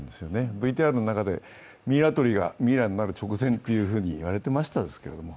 ＶＴＲの中でミイラ取りがミイラになる直前と言われてましたですけど。